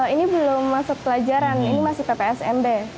ini belum masuk pelajaran ini masih ppsmb